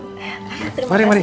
oke terima kasih